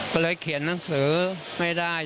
เขาแรกเขียนนังสือไม่ได้